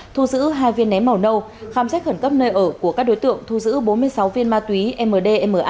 thu giữ hai viên nén màu nâu khám xét khẩn cấp nơi ở của các đối tượng thu giữ bốn mươi sáu viên ma túy mdma